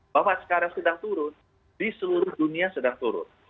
bahwa sekarang sedang turun di seluruh dunia sedang turun